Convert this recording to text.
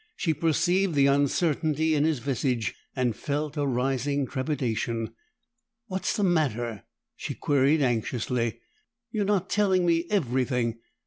She perceived the uncertainty in his visage, and felt a rising trepidation. "What's the matter?" she queried anxiously. "You're not telling me everything!